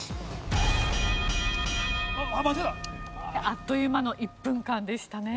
あっという間の１分間でしたね。